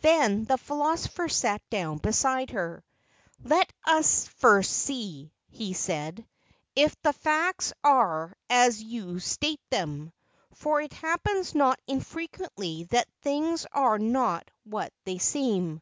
Then the philosopher sat down beside her. "Let us first see," he said, "if the facts are as you state them. For it happens not infrequently that things are not what they seem.